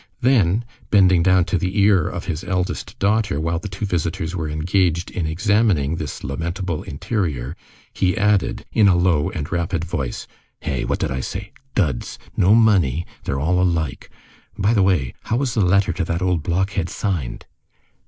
Then, bending down to the ear of his eldest daughter, while the two visitors were engaged in examining this lamentable interior, he added in a low and rapid voice:— "Hey? What did I say? Duds! No money! They are all alike! By the way, how was the letter to that old blockhead signed?"